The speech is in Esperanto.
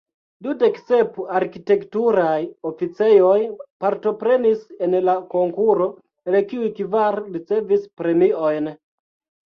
Dudek sep arkitekturaj oficejoj partoprenis en la konkuro, el kiuj kvar ricevis premiojn.